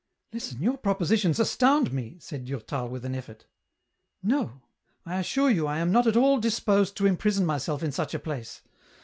I 2 Il6 EN ROUTE. " Listen, your propositions astound me,'* said Durtal with an effort. " No : I assure you I am not at all disposed to imprison myself in such a place.